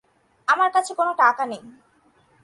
আমার কাছে কোনো টাকা নেই।